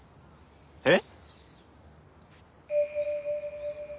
えっ⁉